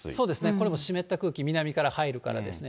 これも湿った空気、南から入るからですね。